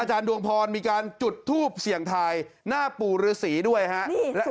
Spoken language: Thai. อาจารย์ดวงพรมีการจุดทูบเสียงถ่ายหน้าปู่หรือศรีด้วยครับ